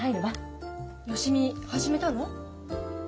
芳美始めたの？